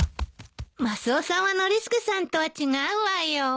マスオさんはノリスケさんとは違うわよ。